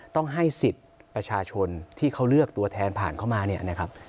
ต้องให้สิทธิ์ประชาชนที่เขาเลือกตัวแทนผ่านเข้ามา